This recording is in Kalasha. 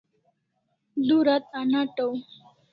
Du rat anataw